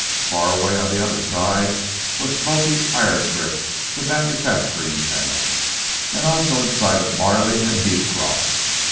Far away on the other side was smoky Irongrip the manufacturing town; almost in sight of Marleigh and Heathcroft.